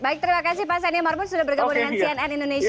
baik terima kasih pak saini amar pun sudah berkembang dengan cnn indonesia